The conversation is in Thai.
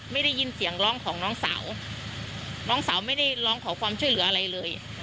ไม่ได้ยินเสียงร้องของน้องสาวน้องสาวไม่ได้ร้องขอความช่วยเหลืออะไรเลย